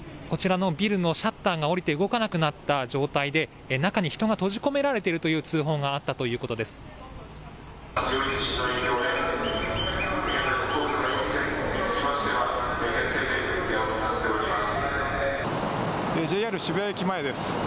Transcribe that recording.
こちらのビルのシャッターが下りて動かなくなった状態で中に人が閉じ込められているという通報があったということです。